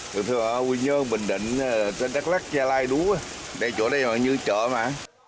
thường thường là quy nhơn bình định đắk lắc gia lai đủ chỗ này mà như chợ mà